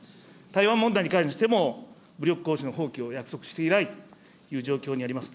台湾問題に関しても、武力行使の放棄を約束していないという状況にあります。